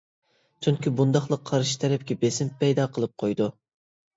چۈنكى بۇنداقلار قارشى تەرەپكە بېسىم پەيدا قىلىپ قۇيىدۇ.